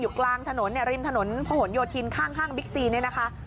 อยู่กลางถนนริมถนนโผนโยธินข้างบิ๊กซีนเนี่ยนะคะ